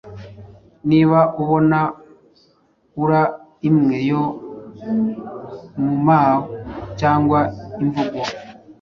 Niba ubona iura imwe yo mumao cyangwa imvugo